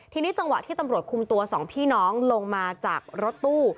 ทีนี้จังหวะที่ตำรวจคุมตัวสองพี่น้องลงมาจากรถตู้